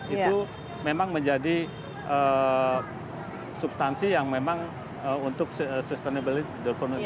itu memang menjadi substansi yang memang untuk sustainable development